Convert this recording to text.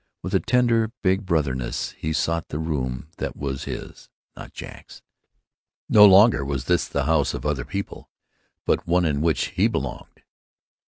With a tender big brotherliness he sought the room that was his, not Jack's. No longer was this the house of Other People, but one in which he belonged.